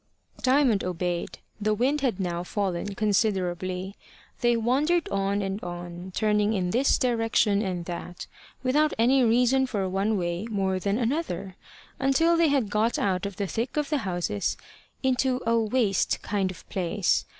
Diamond obeyed. The wind had now fallen considerably. They wandered on and on, turning in this direction and that, without any reason for one way more than another, until they had got out of the thick of the houses into a waste kind of place.